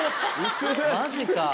マジか。